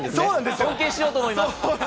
尊敬しようと思います。